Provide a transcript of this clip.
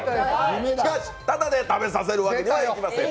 しかし、ただ食べさせるわけにはいきません。